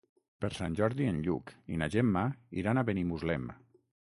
Per Sant Jordi en Lluc i na Gemma iran a Benimuslem.